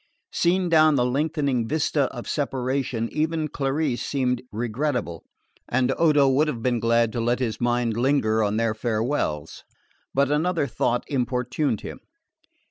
Seen down the lengthening vista of separation even Clarice seemed regrettable; and Odo would have been glad to let his mind linger on their farewells. But another thought importuned him.